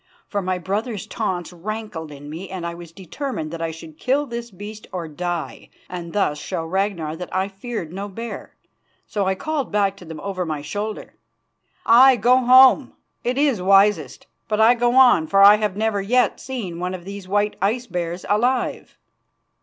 For my brother's taunts rankled in me and I was determined that I should kill this beast or die and thus show Ragnar that I feared no bear. So I called back to them over my shoulder: "Aye, go home, it is wisest; but I go on for I have never yet seen one of these white ice bears alive."